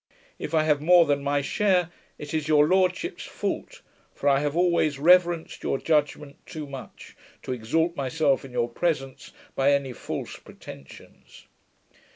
If I have more than my share, it is your lordship's fault; for I have always reverenced your judgment too much, to exalt myself in your presence by any false pretensions.